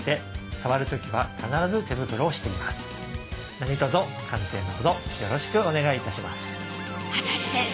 なにとぞ鑑定のほどよろしくお願いいたします。